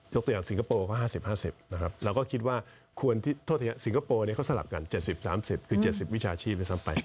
ตัวอย่างสิงคโปร์ก็๕๐๕๐นะครับเราก็คิดว่าควรที่โทษสิงคโปร์เขาสลับกัน๗๐๓๐คือ๗๐วิชาชีพด้วยซ้ำไป